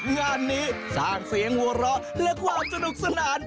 งานนี้สร้างเสียงหัวเราะและความสนุกสนาน